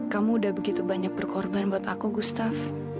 kamu udah begitu banyak berkorban buat aku gustaf